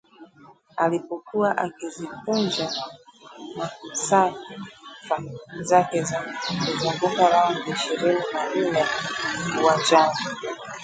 alipokuwa akizikunja masafa zake za kuzunguka raundi ishirini na nne uwanjani